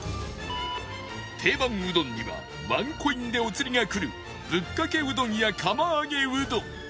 定番うどんにはワンコインでお釣りがくるぶっかけうどんや釜揚げうどん